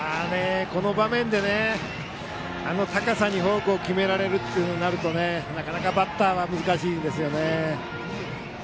この場面で、あの高さにフォークを決められるとなかなかバッターは難しいですよね。